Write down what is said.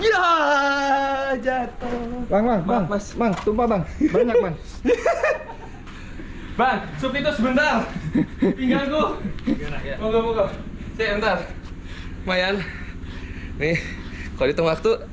saat luas a patch certificated lepas malam dibawa secara manual dengan juruj